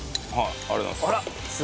ありがとうございます。